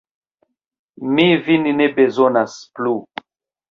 Mi vin ne bezonas plu.